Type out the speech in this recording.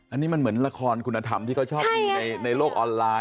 อันนี้มันเหมือนละครคุณธรรมที่เขาชอบดูในโลกออนไลน